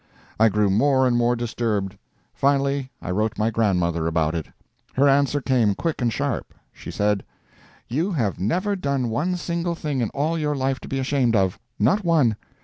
I grew more and more disturbed. Finally I wrote my grandmother about it. Her answer came quick and sharp. She said: You have never done one single thing in all your life to be ashamed of—not one.